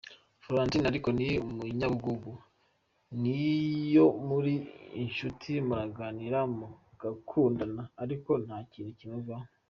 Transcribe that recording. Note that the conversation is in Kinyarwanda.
Florentine ariko ni umunyabugugu niyo muri inshuti muraganira mugakundana ariko nta kintu kimuvaho.